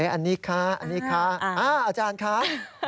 อันนี้คะอันนี้คะอาจารย์คะ